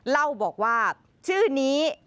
เล่าบอกว่าชื่อนี้